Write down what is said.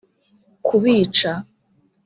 kubica